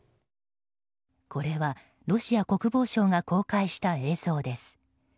これはロシア国防省が公開した映像です。